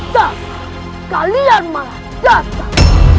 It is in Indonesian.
dan kalian malah datang